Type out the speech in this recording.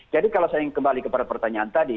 jadi kalau saya kembali kepada pertanyaan tadi